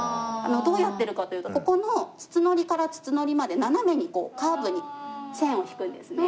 どうやってるかというとここの筒糊から筒糊まで斜めにカーブに線を引くんですね。